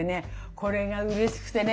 これがうれしくてね